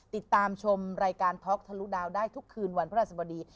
ติดตามชมรายการท็อกทะลุดาวได้ทุกคืนวันพระราชบดี